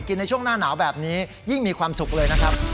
ในช่วงหน้าหนาวแบบนี้ยิ่งมีความสุขเลยนะครับ